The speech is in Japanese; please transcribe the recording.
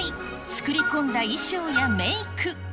作り込んだ衣装やメーク。